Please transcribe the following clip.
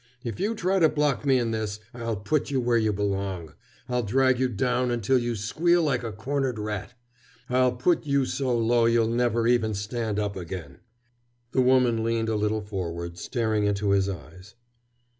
If you try to block me in this I'll put you where you belong. I'll drag you down until you squeal like a cornered rat. I'll put you so low you'll never even stand up again!" The woman leaned a little forward, staring into his eyes.